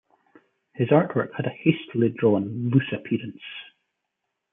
His artwork had a hastily drawn, loose appearance.